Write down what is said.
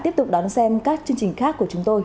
tiếp tục đón xem các chương trình khác của chúng tôi